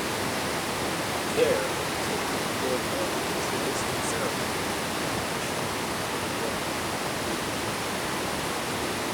There Undertaker performed a ritualistic ceremony, rechristening him Mideon.